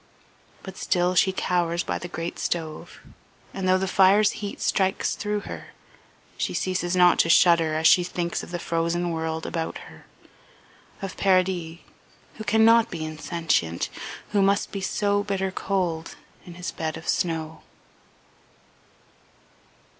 But still she cowers by the great stove, and though the fire's heat strikes through her, she ceases not to shudder as she thinks of the frozen world about her, of Paradis, who cannot be insentient, who must be so bitter cold in his bed of snow.